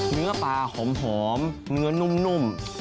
เนื้อปลาหอมเนื้อนุ่ม